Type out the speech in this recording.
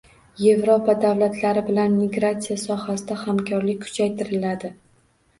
Yevropa davlatlari bilan migratsiya sohasida hamkorlik kuchaytiriladi